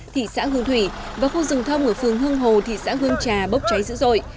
thị xã hương thủy và khu rừng thông ở phường hương hồ thị xã hương trà bốc cháy dữ dội